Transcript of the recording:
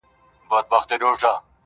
د هر تورى لړم سو ، شپه خوره سوه خدايه.